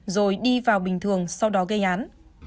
rồi đi vào bình thường sau đó gây án